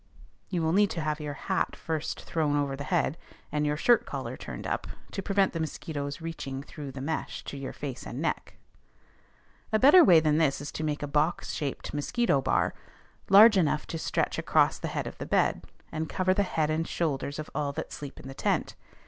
You will need to have your hat first thrown over the head, and your shirt collar turned up, to prevent the mosquitoes reaching through the mesh to your face and neck. A better way than this is to make a box shaped mosquito bar, large enough to stretch across the head of the bed, and cover the heads and shoulders of all that sleep in the tent.